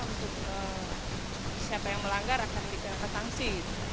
untuk siapa yang melanggar akan tersangsi